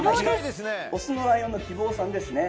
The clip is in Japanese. オスのライオンのきぼうさんですね。